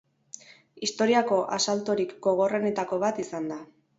Historiako asaltorik gogorrenetako bat izan da.